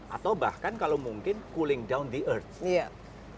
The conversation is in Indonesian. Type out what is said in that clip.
atau bahkan kalau mungkin mempercepat kelembapan bumi